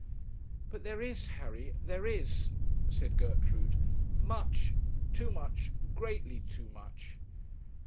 'But there is, Harry; there is,' said Gertrude; 'much too much greatly too much.